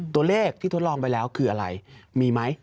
ตัวเลขที่ทดลองไปแล้วคืออะไรมีไหม